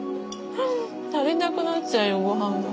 足りなくなっちゃうよご飯が。